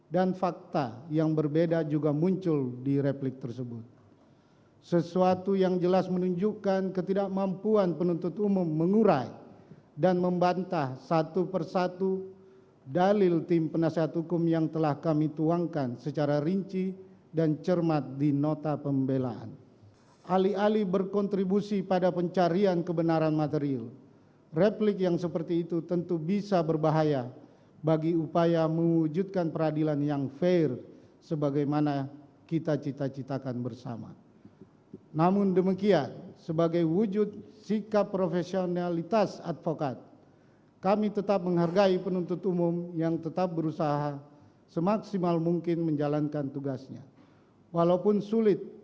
dalam sejumlah argumentasi